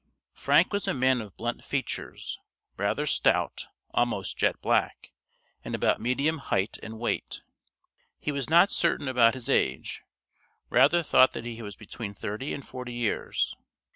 Frank was a man of blunt features, rather stout, almost jet black, and about medium height and weight. He was not certain about his age, rather thought that he was between thirty and forty years.